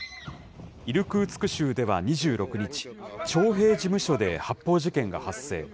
イルクーツク州では２６日、徴兵事務所で発砲事件が発生。